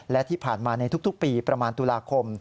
และที่ผ่านมาในทุกปีประมาณตุลาคม